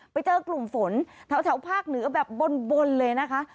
ไปเจอกลุ่มฝนแถวภาคเหนือแบบบนเลยนะคะ